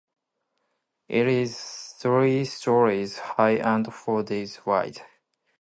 It is three stories high and four bays wide.